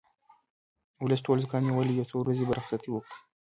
ولس ټول زوکام نیولی یو څو ورځې به رخصتي وکړو